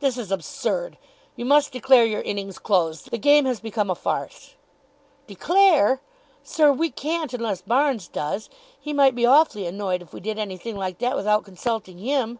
"This is absurd. You must declare your innings closed. The game has become a farce." "Declare! Sir, we can't unless Barnes does. He might be awfully annoyed if we did anything like that without consulting him."